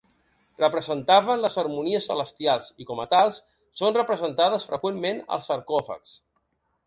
Representaven les harmonies celestials i com a tals són representades freqüentment als sarcòfags.